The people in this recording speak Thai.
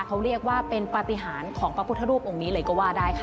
เขาเรียกว่าเป็นปฏิหารของพระพุทธรูปองค์นี้เลยก็ว่าได้ค่ะ